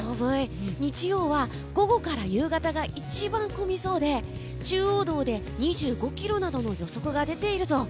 日曜は午後から夕方が一番混みそうで中央道で２５ｋｍなどの予測が出ているぞ。